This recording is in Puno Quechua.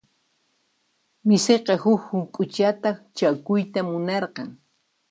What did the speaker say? Misiqa huk huk'uchata chakuyta munarqan.